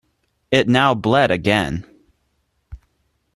It now bled again.